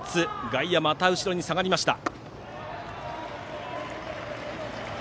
外野がまた後ろに下がりました。